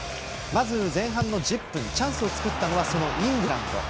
まず前半１０分チャンスを作ったのはイングランド。